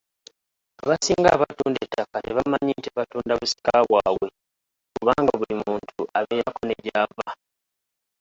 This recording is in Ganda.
Abasinga abatunda ettaka tebamanya nti batunda busika bwabwe kubanga omuntu abeerako ne gy’ava.